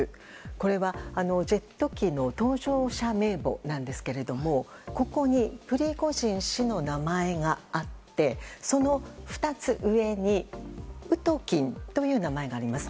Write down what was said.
これはジェット機の搭乗者名簿なんですけどもここにプリゴジン氏の名前があってその２つ上にウトキンという名前があります。